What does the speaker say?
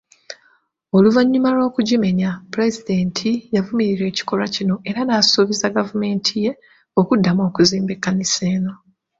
Oluvannyuma lw'okugimenya, Pulezidenti yavumirira ekikolwa kino era n'asuubiza gavumenti ye okuddamu okuzimba ekkanisa eno.